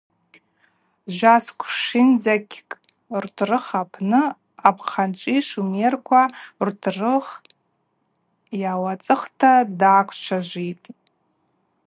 Жвасквшынзыкькӏ ртурых апны апхъанчӏви шумерква ртурых йауацӏыхта даквчважвитӏ.